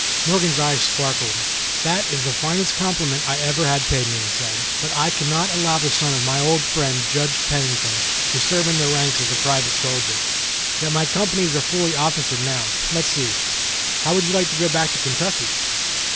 Morgan's eyes sparkled. "That is the finest compliment I ever had paid me," he said, "but I cannot allow the son of my old friend Judge Pennington to serve in the ranks as a private soldier. Yet my companies are fully officered now. Let's see! How would you like to go back to Kentucky?"